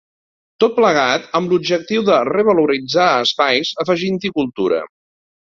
Tot plegat amb l’objectiu de revaloritzar espais afegint-hi cultura.